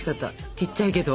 ちっちゃいけど。